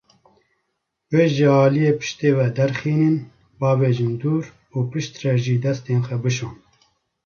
Wê ji aliyê piştê ve derxînin, bavêjin dûr, û piştre jî destên xwe bişon.